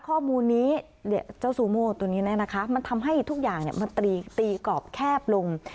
ข้อมูลนี้เจ้าซูโม่ตัวนี้นะคะมันทำให้ทุกอย่างมันตีกรอบแคบลง